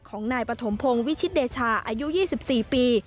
ของนายปฐมพงศ์วิชิตเดชาอายุ๒๔ปี